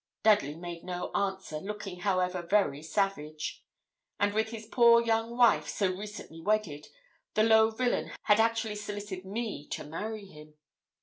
Dudley made no answer, looking, however, very savage. And with this poor young wife, so recently wedded, the low villain had actually solicited me to marry him!